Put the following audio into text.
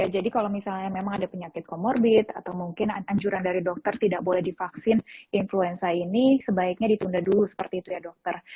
jadi kalau misalnya memang ada penyakit komorbid atau mungkin anjuran dari dokter tidak boleh divaksin influenza ini sebaiknya ditunda dulu seperti itu ya dokter